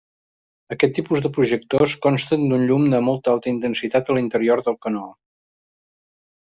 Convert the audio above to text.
Aquest tipus de projectors, consten d'un llum de molt alta intensitat a l'interior del canó.